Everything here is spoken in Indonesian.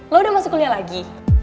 lo udah masuk kuliah lagi